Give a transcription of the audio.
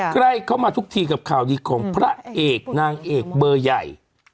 ใกล้เข้ามาทุกทีกับข่าวดีของพระเอกนางเอกเบอร์ใหญ่